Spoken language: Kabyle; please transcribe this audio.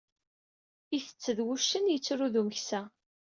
Itett d wuccen yettru d umeksa.